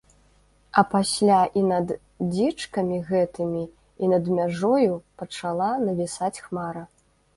А пасля і над дзічкамі гэтымі і над мяжою пачала навісаць хмара.